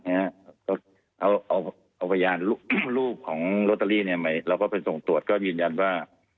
เอาพยานรูปของลอตเตอรี่เราก็ไปส่งตรวจก็ยืนยันว่า